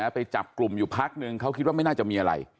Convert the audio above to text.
ไปจับกลุ่มอยู่พักนึงเขาคิดว่าไม่น่าจะมีอะไร